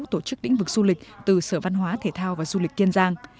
tổ chức lĩnh vực du lịch từ sở văn hóa thể thao và du lịch kiên giang